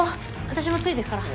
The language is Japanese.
私もついてくから。